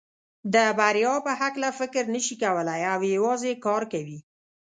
د بریا په هکله فکر نشي کولای او یوازې کار کوي.